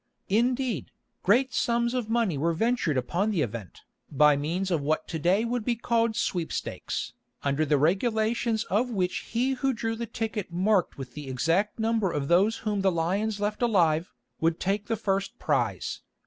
Indeed, great sums of money were ventured upon the event, by means of what to day would be called sweepstakes, under the regulations of which he who drew the ticket marked with the exact number of those whom the lions left alive, would take the first prize.